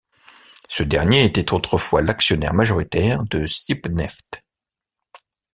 Ce dernier était autrefois l'actionnaire majoritaire de Sibneft.